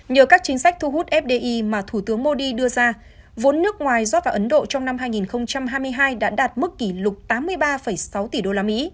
nhờ các chính sách thu hút fdi mà thủ tướng modi đưa ra vốn nước ngoài rót vào ấn độ trong năm hai nghìn hai mươi hai đã đạt mức kỷ lục tám mươi ba sáu tỷ đô la mỹ